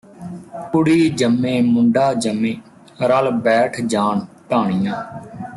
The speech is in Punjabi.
ਕੁੜੀ ਜੰਮੇ ਮੁੰਡਾ ਜੰਮੇ ਰਲ ਬੈਠ ਜਾਣ ਢਾਣੀਆਂ